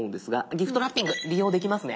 ギフトラッピング利用できますね。